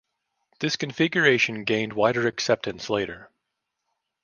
This configuration gained wider acceptance later.